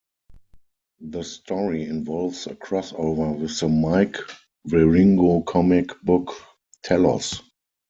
The story involves a crossover with the Mike Weiringo comic book "Tellos".